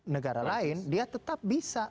negara lain dia tetap bisa